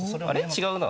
違うな。